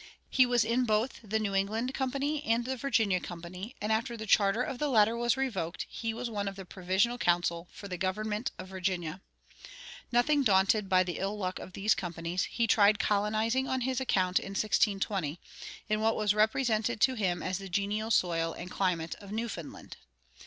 He was in both the New England Company and the Virginia Company, and after the charter of the latter was revoked he was one of the Provisional Council for the government of Virginia. Nothing daunted by the ill luck of these companies, he tried colonizing on his account in 1620, in what was represented to him as the genial soil and climate of Newfoundland.